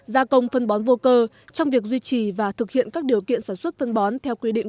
gia công phân bón vô cơ trong việc duy trì và thực hiện các điều kiện sản xuất phân bón theo quy định